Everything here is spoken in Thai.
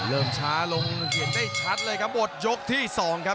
ช้าลงเห็นได้ชัดเลยครับหมดยกที่สองครับ